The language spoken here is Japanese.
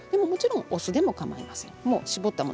もちろんお酢でもかまいません。